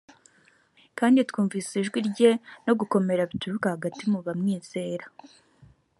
kandi twumvise ijwi rye no gukomera bituruka hagati mu bamwizera